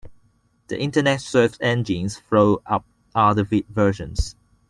The internet search engines throw up other versions.